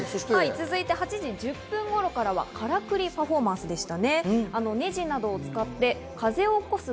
８時１０分頃からは、からくりパフォーマンスでした。